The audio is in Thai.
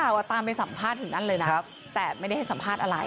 ตามไปสัมภาษณ์ถึงนั่นเลยนะแต่ไม่ได้ให้สัมภาษณ์อะไร